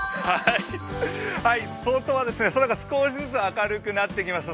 東京は空が少しずつ明るくなってきました。